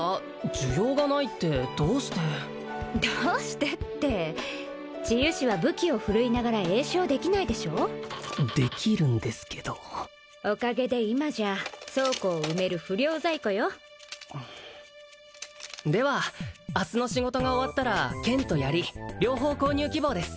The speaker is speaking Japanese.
需要がないってどうしてどうしてって治癒士は武器を振るいながら詠唱できないでしょうできるんですけどおかげで今じゃ倉庫を埋める不良在庫よでは明日の仕事が終わったら剣と槍両方購入希望です